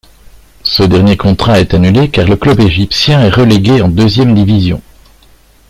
Ce dernier contrat est annulé car le club égyptien est relégué en deuxième division.